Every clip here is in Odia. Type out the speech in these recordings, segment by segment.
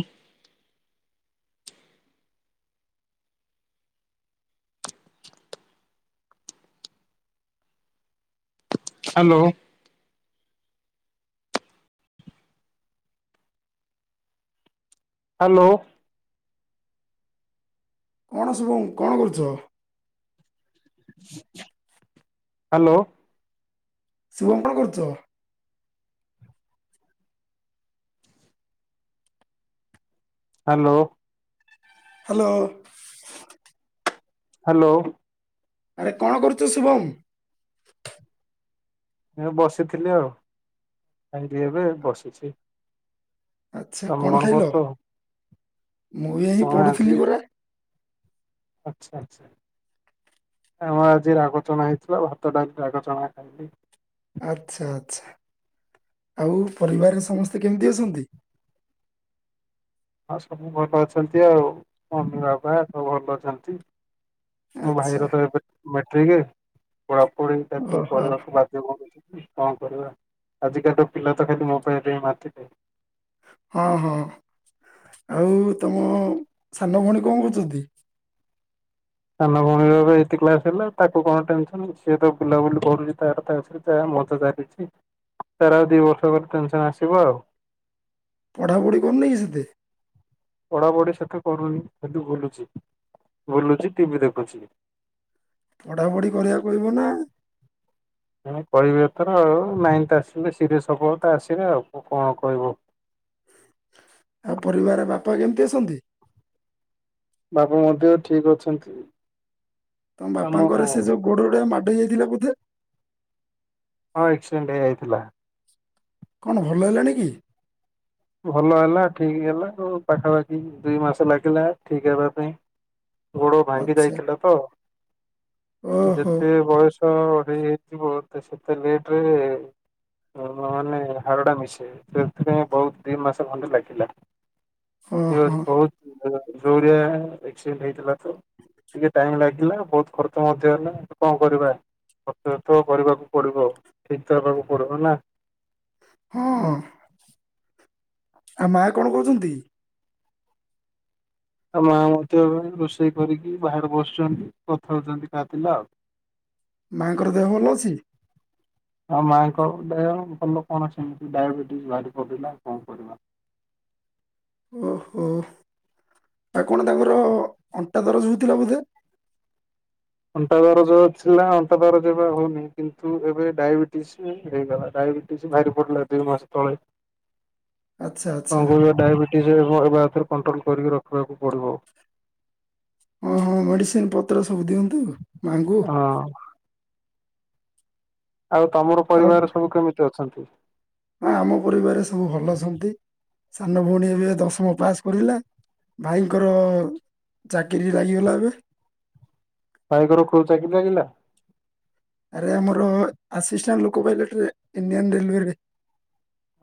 ଇଁ ହାଲୋ। ହ୍ୟାଲୋ। କଣ ଶୁଭମ୍ କଣ କରୁଚ? ହାଲୋ। ଶଭମ କଁ କରୁଚ? ହାଲୋ। ହାଲୋ। ହାଲୋ। ଆରେ କଣ କରୁଚ ଶୁଭମ? ଏ ବସିଥିଲି ଆଉ ଖାଇକି ଏବେ ବସିଚି। ଆଚ୍ଛା କଣ ଖାଇଲ? ମୁଁ ବି ଏଁଇ କଣ ଆଜି ପଢ଼ୁଥିଲି ଗୁରେ। ଆଚ୍ଛା ଆଚ୍ଛା ଆମର ଆଜି ରାଗଚଣା ହେଇଥିଲା ଭାତ ଡାଲି ରାଗଚଣା ଖାଇଲି। ଆଚ୍ଛା ଆଚ୍ଛା। ଆଉ ପରିବାରରେ ସମସ୍ତେ କେମତି ଅଛନ୍ତି? ଆଉ ସବୁ ଭଲ ଅଛନ୍ତି ଆଉ ମମି ବାବା ସବୁ ଭଲ ଅଛନ୍ତି। ତମ ଆଚ୍ଛା ଭାଇର ତ ମେଟ୍ରିିକି। ପଢ଼ାପଢ଼ି ତାକୁ ଓହୋ ହଁ କରିବାକୁ ବାଧ୍ୟ କରୁଚି। କଣ କରିବା ଆଜିକାଲି ପିଲା ତ ଖାଲି ମୋବାଇଲରେ ହ ମାତିଲେ। ହଁ ହଁ ଆଉ ତମ ସାନ ଭଉଣୀ କଣ କରୁଚନ୍ତି? ସାନ ଭଉଣୀର ଏବେ ଏଇତ କ୍ଲାସ ହେଲା ତାକୁ କଣ ଟେନସନ ସିଏ ତ ବୁଲାବୁଲି କରୁଚି ତାର ତା ମଜା ଚାଲିଛି। ତାର ଆଉ ଦି ବର୍ଷ ପରେ ଟେନସନ ଆସିବ ଆଉ। ପଢ଼ାପଢ଼ି କରୁନି କି ସେତେ? ପଢାପଢି ସେତେ କରୁନି କିନ୍ତୁ ବୁଲୁଚି ବୁଲୁଚି ଟିଭି ଦେଖୁଚି। ପଢା଼ ପଢି଼ କରିବାକୁ ପଡିବ ନା। ତାର ଆଉ ନାଇନ୍ଥ ଆସିଲେ ସିରିଏସ୍ ସବଳତା ଆସିବେ ଆଉ କଣ କହିବ। ଆଉ ପରିବାର ବାପା କେମିତି ଅଛନ୍ତି? ବାପା ମଧ୍ୟ ଠିକ ଅଛନ୍ତି। ତମ ଆମ ବାପାଙ୍କର ସେ ଯୋଉ ଗୋଡ ଗୁଡା ମାଡ ହେଇଯାଇ ଥିଲା ବୋଧେ। ହଁ ଆକ୍ସିଡେଣ୍ଟ ହେଇଯାଇଥିଲା। କଣ ଭଲ ହେଲାଣି କି? ଭଲ ହେଲା ଠିକ ହେଲା ଆ ପାଖାପାଖି ଦୁଇ ମାସ ଲାଗିଲା ଠିକ ହେବା ପାଇଁ। ଗୋଡ ଭାଙ୍ଗି ଆଚ୍ଛା ଯାଇଥିଲା ତ ଓହୋ ଯେତେ ବୟସ ହେଇଯିବ, ସେତେ ଲେଟରେ ମାନେ ହାଡଟା ମିଶେ ସେଥିପାଇଁ ବହୁତ ଦି ମାସ ଖଣ୍ଡେ ଲାଗିଲା। ହଁ ଏ ହଁ ବହୁତ ଯୋରିଆ ଏକ୍ସିଡେଣ୍ଟ ହେଇଥିଲା ତ ଟିକେ ଟାଇମ ଲାଗିଲା ବହୁତ ଖର୍ଚ୍ଚ ମଧ୍ୟ ହେଲା କଣ କରିବା ଖର୍ଚ୍ଚ ତ କରିବାକୁ ପଡିବ ଠିକ୍ ତ ହେବାକୁ ପଡିବ ନା। ହଁ । ଆ ମା କଣ କଉଛନ୍ତି? ଆଉ ମା ମଧ୍ୟ ରୋଷେଇ କରିକି ବାହାରେ ବସିଛନ୍ତି କଥାହଉଛନ୍ତି କାଥିଲେ ଆଉ। ମାଙ୍କର ଦେହ ଭଲ ଅଛି? ଆଉ ମାଙ୍କ ଦେହ ଭଲ କଣ ସେମତି ଡାଇବେଟିସ ଭାରି ପଡିଲା କଣ କରିବା । ଓହୋ ଆ କଣ ତାଙ୍କର ଅଣ୍ଟା ଦରଜ ହଉଥିଲା ବୋଧେ? ଅଣ୍ଟା ଦରଜ ଥିଲା ଅଣ୍ଟା ଦରଜ ଏବେ ଆଉ ହଉନି କିନ୍ତୁ ଏବେ ଡାଇବେଟିସ ହେଇଗଲା ଡାଇବେଟିସ ଭାରି ପଡିଲା ଦି ମାସ ତଳେ। ଆଚ୍ଛା ଆଚ୍ଛା ତାଙ୍କୁ ଯୋଉ ଡାଇବେିଟିସ୍ ହେବ ଏବେ ଆଉଥରେ କଣ୍ଟ୍ରୋଲ କରିକି ରଖିବାକୁ ପଡ଼ିବ। ଓ ହଁ ମେଡିସିନ ପତ୍ର ସ ସବୁ ଦିଅନ୍ତୁ ମାଙ୍କୁ। ହଁ ଆଉ ତମର ପରିବାର ସବୁ କେମିତି ଅ ଛନ୍ତି । ନା ଆମ ପରିବାର ସବୁ ଭଲ ଅଛନ୍ତି ସାନ ଭଉଣୀ ଏବେ ଦଶମ ପାସ୍ କରିଲା ଭାଇଙ୍କର ଚାକିରୀ ଲାଗିଗଲା ଏବେ। ଭାଇଙ୍କର କୋଉ ଚାକିରି ଲାଗିଲା? ଆରେ ଆମର ଆସିଷ୍ଟାଣ୍ଟ ଲୋକ ପାଇଲଟରେ ଇଣ୍ଡିଆନ ରେଲୱେରେ।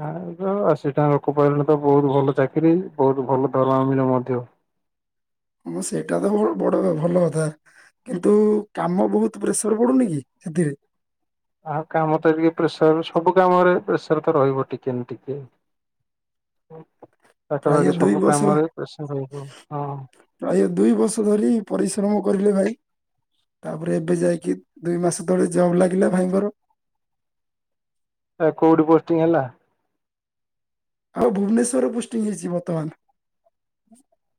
ଆଉ ତ ସେ ଲୋକ ପାଇଲଟ ବହୁତ ଭଲ ଚାକିରି ବହୁତ ଭଲ ଦରମା ମଧ୍ୟ। ହଁ ସେଇଟା ତ ବଡ ଭଲ କଥା କିନ୍ତୁ କାମ ବହୁତ ପ୍ରେସର ପଡୁନି କି ସେଥିରେ? ଆଉ କାମ ତ ଟିକେ ପ୍ରେସର ସବୁ କାମରେ ପ୍ରେସର ତ ରହିବ ଟିକେ ନା ଟିକେ। ପ୍ରାୟ ପାଖାପାଖି ଦୁଇ ସବୁ ବର୍ଷ କାମରେ ପ୍ରେସର ରହିବ ହଁ ପ୍ରାୟ ଦୁଇ ବର୍ଷ ଧରି ପରିଶ୍ରମ କରିଲେ ଭାଇ । ତାପରେ ଏବେ ଯାଇକି ଦୁଇ ମାସ ତଳେ ଜବ୍ ଲାଗିଲା ଭାଇଙ୍କର। ଏଟା କୋଉଠି ପୋଷ୍ଟିଂ ହେଲା? ଆଉ ଭୁବନେଶ୍ଵରରେ ପୋଷ୍ଟିଂ ହେଇଛି ବର୍ତ୍ତମାନ।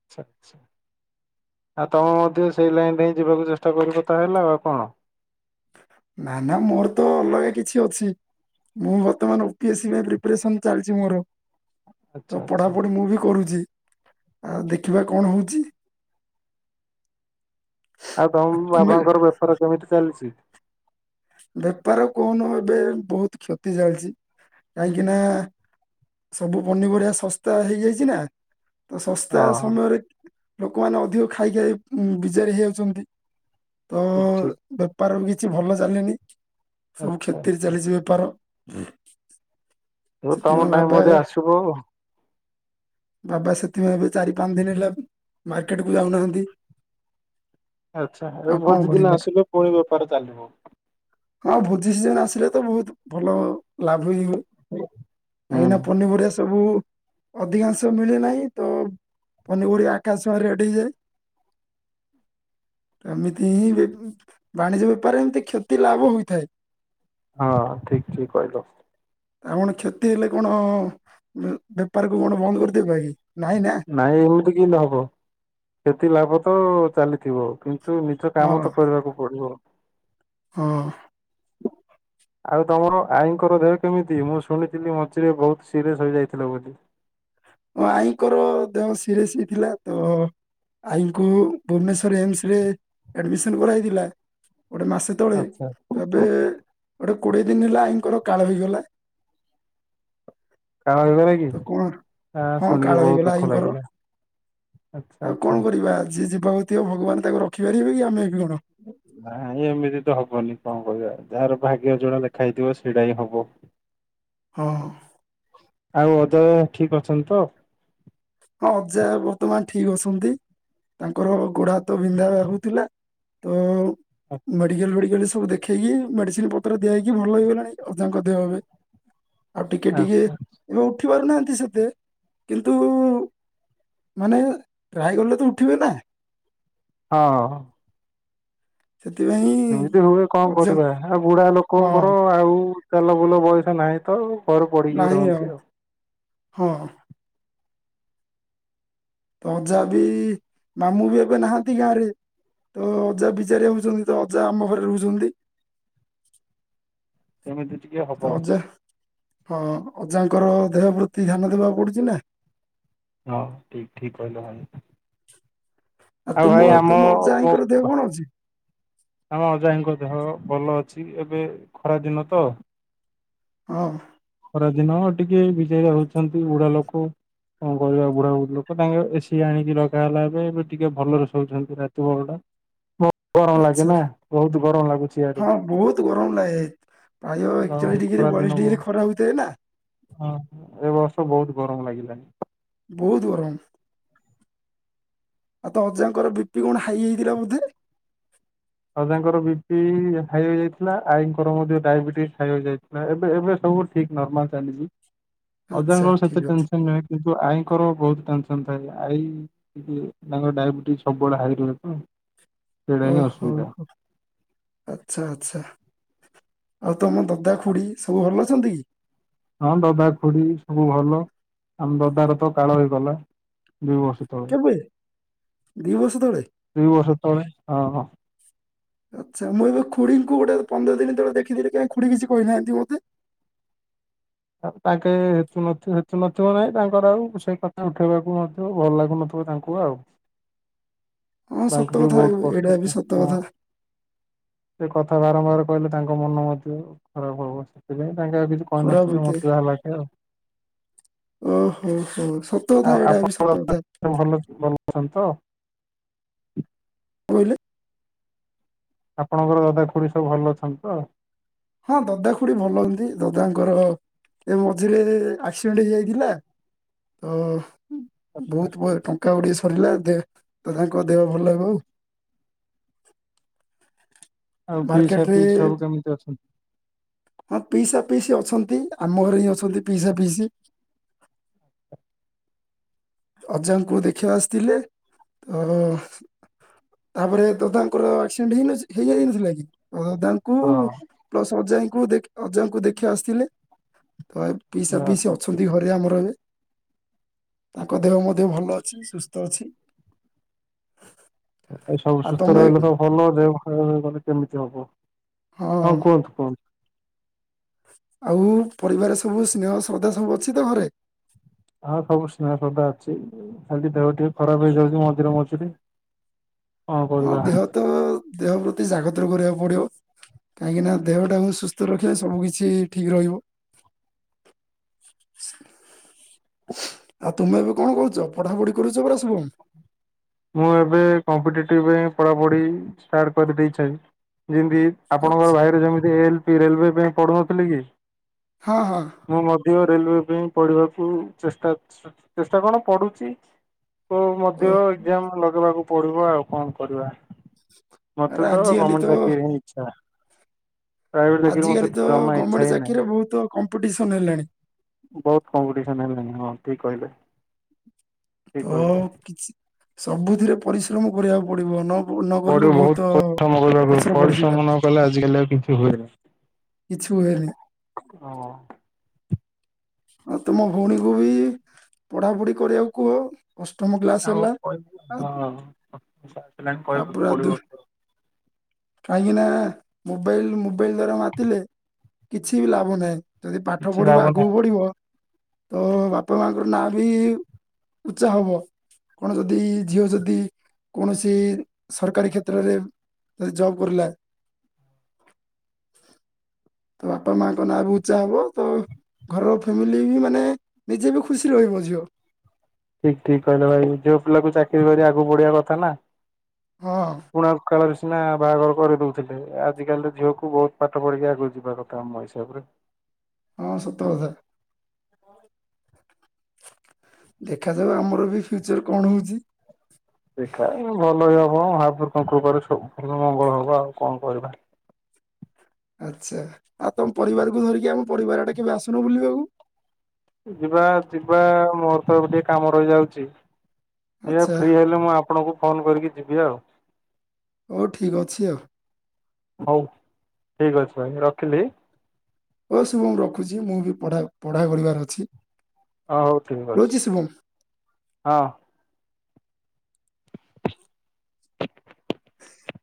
ଆଚ୍ଛା ଆଉ ତମେ ମଧ୍ୟ ସେଇ ଲାଇନ ଦେଇ ଯିବାକୁ ଚେଷ୍ଟା କରିବ ତା ହେଲା ଆଉ କଣ। ନା ନା ମୋର ତ ଅଲଗା କିଛି ଅଛି ମୁଁ ବର୍ତ୍ତମାନ ଓପି ଏସ୍ ସି ପାଇଁ ପ୍ରିପାରେସନ ଚାଲିଛି ମୋର। ଆଚ୍ଛା ତ ଆଚ୍ଛା। ପଢାପଢି ମୁଁ ବି କରୁଛି। ଆଉ ଦେଖିବା କଣ ହଉଛି। ଆଉ ତମ ବାବାଙ୍କର ବେପାର କେମିତି ଚାଲିଛି? ବେପାର କହୁନୁ ଏବେ ବହୁତ କ୍ଷତି ଚାଲିଛି କାହିଁକି ନା ସବୁ ପନିପରିବା ଶସ୍ତା ହେଇଯାଇଛି ନା । ତ ଶସ୍ତା ହଁ ସମୟରେ । ଲୋକମାନେ ଅଧିକ ଖାଇ ଖାଇ ବିଯାରିଆ ହେଇଯାଉଛନ୍ତି। ତ ଠିକ ଠିକ ବେପାର । କିଛି ଭଲ ଚାଲିନି । ସବୁ ଆଚ୍ଛା କ୍ଷତିରେ ଆଚ୍ଛା। ଚାଲିଛି ବେପାର । ହଉ ହୁଁ। ତମ ସେଥିପାଇଁ ଟାଇମ ବାବା ମଧ୍ୟ ଆସିବ ବାବା ସେଥିପାଇଁ ଏବେ । ଚାରି ପାଞ୍ଚ ଦିନ ହେଲା ମାର୍କେଟ କୁ ଯାଉନାହାନ୍ତି। ଆଚ୍ଛା ଆଉ କଣ ଭୋଜିଦିନ କରିବା ଆସିଲେ ପୁଣି ବେପାର ଚାଲିବ। ହଁ ଭୋଜିଦିନ ଆସିଲେ ତ ବହୁତ ଭଲ ଲାଭ ହିଁ ହୁଏ। ହୁଁ। [inaudible] ଏଇନା ପନିପରିବା ସବୁ ଅଧିକାଂଶ ମିଳେ ନାହିଁ ତ ପନିପରିବା ଆକାଶଛୁଆଁ ରେଟ ହେଇଯାଏ। [inaudible] ଏମିତି ହିଁ ବାଣିଜ୍ୟ ବେପାର ଏମିତି କ୍ଷତି ଲାଭ ହୋଇଥାଏ। ହଁ ଠିକ ଠିକ କହିଲ। ଆମର କ୍ଷତି ହେଲେ କଣ ତାକୁ କଣ ବନ୍ଦ କରିଦେବା କି ନାଇଁ ନା? [inaudible] ନାଇଁ ଏମିତି କେମିତି ହବ। କ୍ଷତି ଲାଭ ତ ଚାଲିଥିବ ପୁ ତୁ ନିଜ ହଁ କାମ ତ କରିବାକୁ ପଡିବ। ହଁ [inaudible] ଆଉ ତମର ଆଈଙ୍କର ଦେହ କେମିତି ମୁଁ ଶୁଣିଥିଲି ମଝିରେ ବହୁତ ସିରିଅସ୍ ହୋଇଯାଇଥିଲେ ବୋଲି? ଆଈଙ୍କର ଦେହ ସିରିଏସ ହେଇ ଥିଲା ତ? ଆଈଙ୍କୁ ଭୁବନେଶ୍ଵର ଏମସ ରେ ଆଡମିସନ କରା ହୋଇଥିଲା। ଗୋଟେ ମାସେ ତଳେ ଆଚ୍ଛା ଏବେ ଗୋଟେ କୋଡିଏ ଦିନ ହେଲା ଆଇଙ୍କର କାଳ ହେଇଗଲା। [inaudible] କାଳ ହେଇଗଲା କି? ତ କଣ ହଁ କାଳ ଶୁଣିକି ବହୁତ ହେଇଗଲା ଦୁଃଖ ଆଇଙ୍କର ଲାଗିଲା [inaudible] ଆଚ୍ଛା ଆଉ କଣ ଆଚ୍ଛା। କରିବା ଯିଏ ଯିବାକୁ ଥିବ ଭଗବାନ ତାକୁ ରଖିପାରିବେ କି ଆମେ? ବି କଣ ନାଇଁ ଏମିତି ତ ହବନି କଣ କରିବା। ଯାହାର ଭାଗ୍ୟରେ ଯୋଉଟା ଲେଖା ହେଇଥିବ ସେଇଟା ହିଁ ହବ। ହଁ। ଆଉ ଅଜା ଠିକ ଅଛନ୍ତି ତ? ହଁ ଅଜା ବର୍ତ୍ତମାନ ଠିକ ଅଛନ୍ତି। ତାଙ୍କର ଗୋଢ ହାତ ବିନ୍ଧା ବା ହଉଥିଲା। ତ ମେଡିିକାଲ ଫେଡିକାଲ ସବୁ ଦେଖେଇକି ମେଡିସିନ ପତ୍ର ଦିଆ ହେଇକି ଭଲ ହେଇଗଲାଣି ଅଜାଙ୍କ ଦେହ ଏବେ। ଆଉ ଟିକେ ଟିକେ ଆଚ୍ଛା ଏବେ ଉ ପାରୁ ନାହାନ୍ତି ସେତେ କିନ୍ତୁ ମାନେ ଟ୍ରାଏ କଲେ ତ ଉଠିବେ ନା? ହଁ ହଁ । ସେଥିପାଇଁ ଏମିତି ହୁଏ କଣ ଅଜା କରିବା ଆଉ ବୁଢା ହଁ ଲୋକଙ୍କର ଆଉ ଚାଲ ବୁଲ ବୟସ ନାହିଁ ତ? ଘରେ ପଡ଼ିିକି ରହନ୍ତି ଆଉ। ହଁ । ତ ଅଜା ବି ମାମୁଁ ବି ଏବେ ନାହାନ୍ତି ଗାଁରେ। ତ ଅଜା ବିଚାରି ହଉଛନ୍ତି ତ ଅଜା ଆମ ଘରେ ରହୁଛନ୍ତି। [inaudible] କେମିତି? ଟିକେ ତ ହବ। ଅଜା ହଁ ଅଜାଙ୍କର ଦେହ ପ୍ରତି ଧ୍ୟାନ ଦବାକୁ ପଡୁଛି ନା । ହଁ ଠିକ ଠିକ କହିଲ ଭାଇ । ଆଉ ତୁମ ଭାଇ ଆମ ତୁମ ମ ଅଜାଙ୍କର ଦେହ କଣ ଅଛି? ଆମ ଅଜା ଆଇ ଙ୍କ ଦେହ ଭଲ ଅଛି ଏବେ ଖରା ଦିନ ତ। ହଁ । ଖରା ଦିନ ଟିକେ ବିଜାରିଆ ହଉଛନ୍ତି ବୁଢ଼ା ଲୋକ କଣ କରିବା ବୁଢା ବୁଢୀ ଲୋକ ତାଙ୍କ ଏସିି ଆଣିକି ରଗା ହେଲା ଏବେ ଏବେ ଟିକେ ଭଲରେ ଶୋଉଛନ୍ତି ରାତି ପହରଟା। ଆଛା ଇଆଡେ ହଁ ବହୁତ ଗରମ ଲାଗେ ପ୍ରାୟ ଏକଚାଳିଶ ଡିଗ୍ରୀ ଖରା ଦିନ ବୟଳିଶ ଡିଗ୍ରୀ ବହୁତ ଖରା ହଉଛି । ହଁ। ଏ ବର୍ଷ ବହୁତ ଗରମ ଲାଗିଲାଣି । ବହୁତ ଗରମ । ଆଉ ତ ଅଜାଙ୍କର ବି ପି କଣ ହାଇ ହେଇଥିଲା ବୋଧେ? ଅଜାଙ୍କର ବି ପି ହାଇ ହେଯାଇଥିଲା ଆଈଙ୍କର ମଧ୍ୟ ଡାଇବେଟିସ୍ ହାଇ ହୋଇଯାଇଥିଲା ଏବେ ଏବେ ସବୁ ଠିକ ନର୍ମାଲ ଚାଲଛିି । ଆଚ୍ଛା ଅଜାଙ୍କ ଠିକ ସେତେ ଅଛି ଟେନସନ ନୁହେଁ କିନ୍ତୁ ଆଈଙ୍କର ବହୁତ ଥା ତାଙ୍କ ଡାଇବେଟି ସବୁବେଳେ ହଇ ରହେ ତ ସେଟାଁ ଅଛି। ଓ ହୋ ଆଚ୍ଛା ଆଚ୍ଛା । ତମ ଦଦା ଖୁଡି ସବୁ ଭଲ ଅଛନ୍ତି କି? ଆମରଧାର ତ କାଳ ହେଇଗଲା । ଦୁଇ ବର୍ଷ ତଳେ କେବେ ଦି ବର୍ଷ ତଳେ? ଦୁଇ ବର୍ଷ ତଳେ ହଁ ହଁ । ଆଚ୍ଛା ମୁଁ ଏବେ ଖୁଡିଙ୍କୁ ଗୋଟେ ପନ୍ଦର ଦିନ ତଳେ ଦେଖିଥିଲି କାହିଁକି ଖୁଡି କିଛି କହିନାହାନ୍ତି ମତେ। ତାଙ୍କେ ହେତୁ ହେତୁ ନଥିବ ନାଇଁ ତାଙ୍କର ଆଉ ସେଇ କଥା ଉଠେଇବାକୁ ମଧ୍ୟ ଭଲ ଲାଗୁନଥିବ ତାଙ୍କୁ ଆଉ। ହଁ ତା ସତ ଟ କଥା ବହୁତ ଏ- ଏଇଟା ବି କଷ୍ଟ, ସତ କଥା ସେ କଥା ବାରମ୍ବାର। କହିଲେ ତାଙ୍କ ମନ ମଧ୍ୟ ଖରାପ ହବ ସେଥିପାଇଁ। ଖରାପ [inaudible] ହୋଇଥାଏ ମତ ଯା ଆଉ, ଓହୋ ହୋ ସତ କଥା ଆଉ ଏଇଟା ବି ସତ ଆପଣଙ୍କ କଥା ଭଲ ଭଲ ଅଛନ୍ତି ତ? କୋଇଲେ। ଆପଣଙ୍କର ଦାଦା ଖୁଡି ସବୁ ଭଲ ଅଛନ୍ତି ତ । ହଁ ଦଦା ଖୁଡି ଭଲ ହନ୍ତି ଦଦାଙ୍କର ଏ ମଝିରେ ଆକ୍ସିଡେଣ୍ଟ ହେଇଯାଇଥିଲା ତ ଆଚ୍ଛା ବହୁତ ଆଚ୍ଛା ବହୁ ଟଙ୍କା [inaudible] ସରିଲା ଦେହ ତ ତାଙ୍କ ଦେହ ଭଲ ହବ ଆଉ। ଆଉ ପିଇସା ମାର୍କେଟରେ ପିସି ସବୁ କେମିତି ଅଛନ୍ତି? ହଁ ପିଇସା ପିଇସି ଅଛନ୍ତି, ଆମ ଘରେ ହିଁ ଅଛନ୍ତି ପିଇସା ପିଇସି। ଅଜାଙ୍କୁ ଦେଖିବା ଆସିଥିଲେ ତ ତାପରେ ତ ତାଙ୍କର ଆକ୍ସିଡେଣ୍ଟ [inaudible] କି। ହଁ [inaudible] ପ୍ଲସ [inaudible] ଙ୍କୁ ଅଜାଙ୍କୁ ଦେଖି ଆସିଥିଲେ। ତ ଏ ପିଇସା ଆଚ୍ଛା ପିଇସା ଠିକ୍। ଅଛନ୍ତି ଘରେ ଆମର ଏବେ। ତାଙ୍କ ଦେହ ମଧ୍ୟ ଭଲ ଅଛି ସୁସ୍ଥ ଅଛି। ଏ ସବୁ ଆଉ ସୁସ୍ଥ ତମେ ରହିଲେ ତ ଭଲ ଦେହ ଭଲ । କେମିତି ହବ? ହଁ କୁହନ୍ତୁ କୁହନ୍ତୁ। ଆଉ ପରିବାର ସବୁ ସ୍ନେହ ଶ୍ରଦ୍ଧା ସବୁ ଅଛି ତ ଘରେ? ହଁ ସବୁ ସ୍ନେହ ସଧା ଅଛି, ଖାଲି ଦେହ ଟିକେ ଖରାପ ହେଇଯାଉଚି ମଝିରେ ମଝିରେ। କଣ ହଁ କରିବା। ଦେହ ତ ଦେହ ପ୍ର ତି ଯାଗତର କରିବାକୁ ପଡିବ। କାହିଁକି ନା ଦେହଟା ମୁ ସୁସ୍ ତ ରଖିବା ହ ସବୁ କିଛି ଠିକ ରହିବ। ଆଉ ତମେ ଏବେ କଣ କରୁଚ? ପଠାପଢି କରୁଛ ପରା ଶୁଭମ୍? ମୁଁ ଏବେ କମ୍ପିଟେଟିଭ ପାଇଁ ପଢ଼ାପଢ଼ି ଷ୍ଟାର୍ଟ କରିଦେଇଥାଏ। ରି ମ ବି ଆପଣଙ୍କର ଆଚ୍ଛା ଭାଇର ଯେମିତି ଏଲ ରେଲୱେ ପାଇଁ ପଢୁନଥିଲେ କି? ହଁ ହଁ ମୁଁ ମଧ୍ୟ ରେଲୱେ ପାଇଁ ପଢିବାକୁ ଚେଷ୍ଟା, ଚେଷ୍ଟା କଣ ପଢୁଚି। ଓ ମଧ୍ୟ ଲଗେଇବାକୁ ପଡିବ ଆଉ କଣ କରିବା? ଆରେ ମତେ ତ ଆଜିକାଲି ଗମେଣ୍ଟ ଚାକିରୀ ହିଁ ଇଚ୍ଛା। ପ୍ରାଇଭେଟ ଚାକିରି ମତେ ଆଜିକାଲି ଟ ତ ଜମା ଇଛା ଗଭର୍ଣ୍ଣମେଣ୍ଟ ହିଁ ନାହିଁ ଚାକିରିରେ ବହୁତ କମ୍ପିଟିସନ ହେଲାଣି । ବହୁତ କମ୍ପିଟିସନ୍ ହେଲାଣି ହଁ। ଠିକ କହିଲେ । ତ କିଛି ସବୁଥିରେ ପରିଶ୍ରମ କରିବାକୁ ପଡ଼ିବ। ନ ନ କରିଲେ ପରେ ବହୁତ ପରିଶ୍ରମ କରିବା ପଛରେ ପଡିଯିବା ପରିଶ୍ରମ ନ କଲେ ଆଜିକାଲି ଆଉ କିଛି ହୁଏ ନାହି। କିଛ ହୁଏନି। ଆଉ ତୁମ ଭଉଣୀକୁ ବି ପଢାପଢି କରିବାକୁ କୁହ। ଅଷ୍ଟମ କ୍ଲାସ ଆଉ ହେଲା ହଁ। ଆଉ [unintelligible] ଲାଣି କହିବାକୁ ତାପରେ ଆଉ ଦୁ ପଡିବ ତ। କାହିଁକି ନା ମୋବାଇଲ ମୋବାଇଲ ଦ୍ଵାରା ମାତିଲେ କିଛି ବି ଲାଭ ନାହିଁ। ଯଦି ପାଠ କିଛି ପଢିବା ଲାଭ ଆଗକୁ ନାହିଁ ବଢିବ। ତ ବାପା ମାଆଙ୍କର ନାଁ ବି ଉଚ୍ଚା ହବ, କଣ ଯଦି ଝିଅ ଯଦି କୌଣସି ସରକାରୀ କ୍ଷେତ୍ରରେ ଜବ କରିଲା, ତ ବାପା ମାଙ୍କ ନାଁ ବି ଉଚ୍ଚା ହବ ତ ଘରର ଫାମିଲି ବି ମାନେ ନିଜେ ବି ଖୁସି ରହିବ ଝିଅ। ଠିକ ଠିକ କହିଲ ଭାଇ ଝିଅ ପିଲା କୁ ଚାକିରି କରିବା ଆଗକୁ ବଢିବା କଥା ନା। ହଁ ହଣ କଳ [inaudible] ନା ବାହାଘର କରିଦଉଥିଲେ ଆଜିକାଲି ତ ଝିଅକୁ ବହୁତ ପାଠ ପଢିକି ଆଗକୁ ଯିବା କଥା ଆମ ହିସାବରେ। ହଁ ସତ କଥା ଦେଖାଯାଉ ଆମର ବି ଫ୍ୟୁଚର କଣ ହଉଛି [inaudible] ହବ ମହାପୁରୁଙ୍କ କୃପାରେ ଭ ମଙ୍ଗଳ ହବ ଆଉ କଣ କରିବା। ଆଚ୍ଛା ଆଉ ତମ ପରିବାରକୁ ଧରିକି ଆମ ପରିବାରଡ଼େ କେବେ ଆସୁନ ବୁଲିବାକୁ। ଯିବା ଯିବା ମୋର ତ ଟିକେ କାମ ରହିଯାଉଛି। ଦେଖିବା ଆଚ୍ଛା ଫ୍ରି ହେଲେ ମୁଁ ଆପଣଙ୍କୁ ଫୋନ କରିକି ଯିବି ଆଉ। ହଉ ଠିକ ଅଛି ଆଉ। ଠିକ୍ ଅଛି ଭାଇ ରଖିଲି। ପଢ଼ା କରିବାର ଅଛି। ଓ ହଉ ଠିକ ଅଛି ରହୁଛି ଶୁଭମ ହଁ।